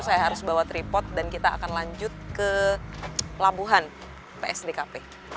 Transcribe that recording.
saya harus bawa tripot dan kita akan lanjut ke labuhan psdkp